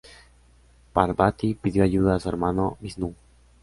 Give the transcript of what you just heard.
Parvati pidió ayuda a su hermano, Visnú.